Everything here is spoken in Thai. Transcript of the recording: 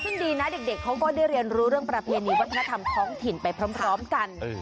ซึ่งดีนะเด็กเขาก็ได้เรียนรู้เรื่องประเพณีวัฒนธรรมท้องถิ่นไปพร้อมกัน